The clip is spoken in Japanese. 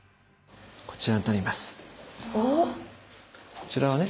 こちらはね